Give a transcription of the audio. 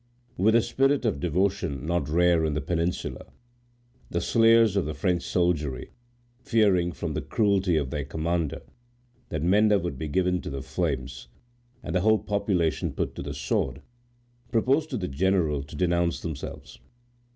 With a spirit of devotion not rare in the Peninsula, the slayers of the French soldiery, fearing, from the cruelty of their commander, that Menda would be given to the flames, and the whole population put to the sword, proposed to the general to denounce themselves.